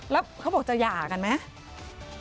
แล้วเขาบอกจะหย่ากันไหม